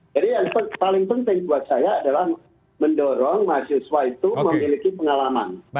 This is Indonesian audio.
jadi yang paling penting buat saya adalah mendorong mahasiswa itu memiliki pengalaman